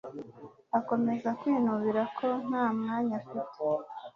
Akomeza kwinubira ko nta mwanya afite.